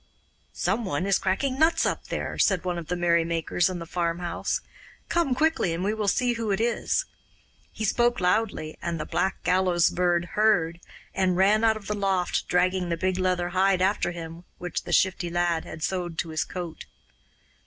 'Some one is cracking nuts up there,' said one of the merry makers in the farmhouse. 'Come quickly, and we will see who it is.' He spoke loudly, and the Black Gallows Bird heard, and ran out of the loft, dragging the big leather hide after him which the Shifty Lad had sewed to his coat.